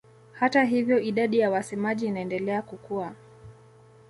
Hata hivyo idadi ya wasemaji inaendelea kukua.